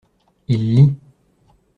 Il lit.